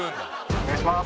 お願いします。